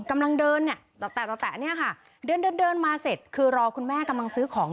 กำลังเดินเดินมาเสร็จคือรอคุณแม่กำลังซื้อของ